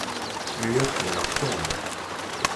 Lliɣ ḥemmleɣ Tom.